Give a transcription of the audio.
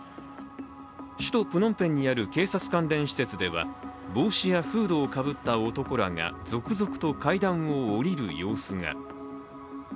首都プノンペンにある警察関連施設では帽子やフードをかぶった男らが続々と階段を下りる様子が。